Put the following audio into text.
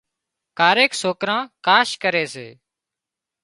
ڪاريڪ سوڪران ڪاش ڪري سي